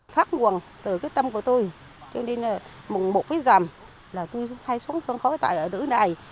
phát nguồn từ cái tâm của tôi cho nên mùng mộ với rằm là tôi hay xuống khuôn khói tại ở nữ này